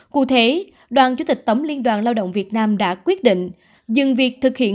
cụ thể đoàn chủ tịch tổng liên đoàn lao động việt nam đã quyết định dừng việc thực hiện